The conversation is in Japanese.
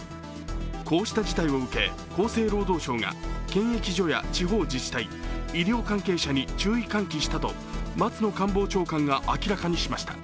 こうした事態を受け、厚生労働省が検疫所や地方自治体、医療関係者に注意喚起したと松野官房長官が明らかにしました。